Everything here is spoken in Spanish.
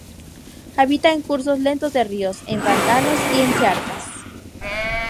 Habita en cursos lentos de ríos, en pantanos y en charcas.